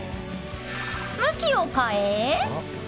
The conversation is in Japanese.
向きを変え。